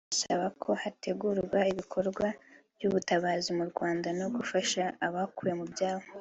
asaba ko hategurwa ibikorwa by’ubutabazi mu Rwanda no gufasha abakuwe mu byabo